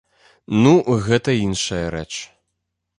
Ну, гэта іншая рэч.